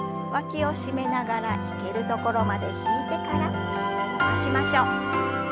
わきを締めながら引けるところまで引いてから伸ばしましょう。